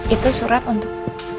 itu surat untuk